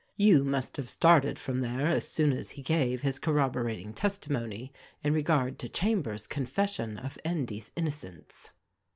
You must have started from there as soon as he gave his corroborating testimony in regard to Chambers' confession of Endy's innocence."